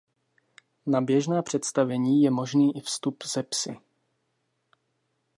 Na běžná představení je možný i vstup se psy.